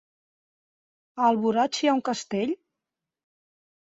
A Alboraig hi ha un castell?